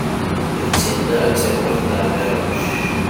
d tin-a i d tamurt n ԑmiruc